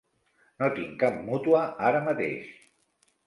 No tinc cap mútua ara mateix.